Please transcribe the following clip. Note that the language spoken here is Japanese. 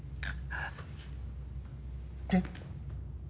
えっ？